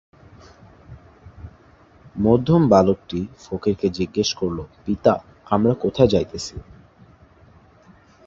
মধ্যম বালকটি ফকিরকে জিজ্ঞাসা করিল, পিতা, আমরা কোথায় যাইতেছি?